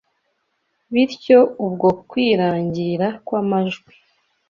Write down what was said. Bityo ubwo kwirangira kw’amajwi